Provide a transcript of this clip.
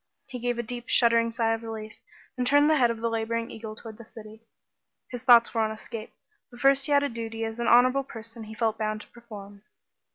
He gave a deep shuddering sigh of relief, and turned the head of the laboring eagle toward the city. His thoughts were on escape, but first he had a duty that as an honorable person he felt bound to perform.